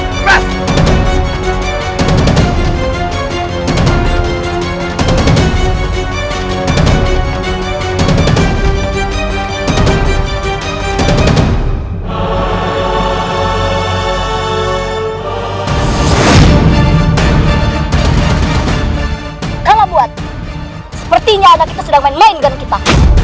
kalau buat sepertinya anak itu sedang main main kita